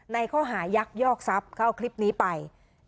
ในข้อหายักยอกทรัพย์เข้าคลิปนี้ไป